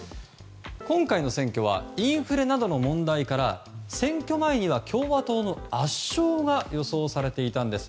今回の選挙はインフレなどの問題から選挙前には共和党の圧勝が予想されていたんです。